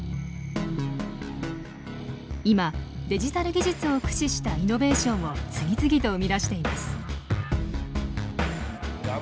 今デジタル技術を駆使したイノベーションを次々と生み出しています。